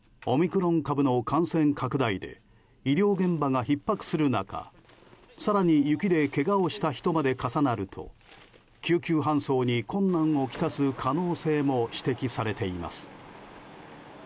オミクロン株の感染拡大で医療現場がひっ迫する中更に雪でけがをした人まで重なると救急搬送に困難をきたす可能性も指摘されています。